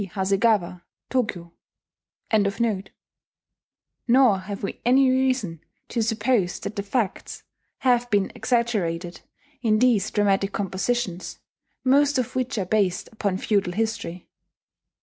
Hasegawa (Tokyo).] Nor have we any reason to suppose that the facts have been exaggerated in these dramatic compositions, most of which are based upon feudal history.